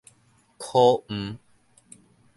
苦毋